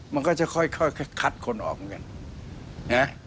มันก็จะค่อยคัดคนออกเหมือนกันนะ